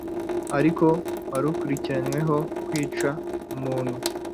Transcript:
Ariko wari ukurikiranyweho kwica umuntu